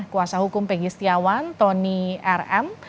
kuasa hukum pegi setiawan tony rm